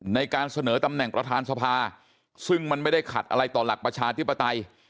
ในการเสนอตำแหน่งประธานสภาซึ่งมันไม่ได้ขัดอะไรต่อหลักประชาธิปไตย